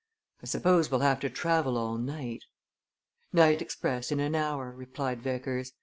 "I suppose we'll have to travel all night?" "Night express in an hour," replied Vickers.